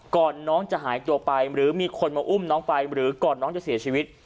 น้องจะหายตัวไปหรือมีคนมาอุ้มน้องไปหรือก่อนน้องจะเสียชีวิต